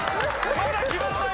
まだ決まらない。